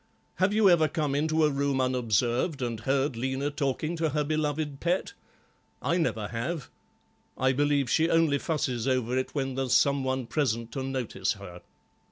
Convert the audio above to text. Have you ever come into a room unobserved and heard Lena talking to her beloved pet? I never have. I believe she only fusses over it when there's some one present to notice her."